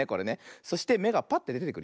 そしてめがぱってでてくるよ。